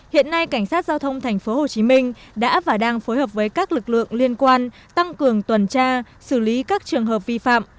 hiện nay cảnh sát giao thông tp hcm đã và đang phối hợp với các lực lượng liên quan tăng cường tuần tra xử lý các trường hợp vi phạm